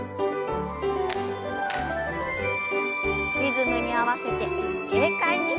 リズムに合わせて軽快に。